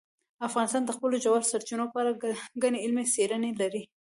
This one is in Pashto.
افغانستان د خپلو ژورو سرچینو په اړه ګڼې علمي څېړنې لري.